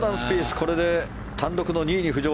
これで単独の２位に浮上。